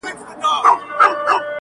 • ما د وحشت په زمانه کي زندگې کړې ده.